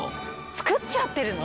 つくっちゃってるの！？